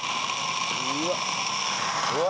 うわっ。